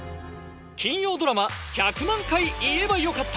金曜ドラマ「１００万回言えばよかった」